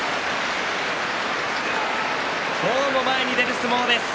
今日も前に出る相撲です。